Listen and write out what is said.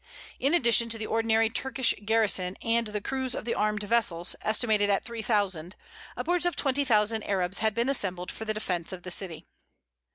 In addition to the ordinary Turkish garrison, and the crews of the armed vessels, estimated at three thousand, upwards of twenty thousand Arabs had been assembled for the defence of the city.